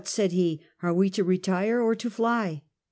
" said he, " are we to retire or to fly?"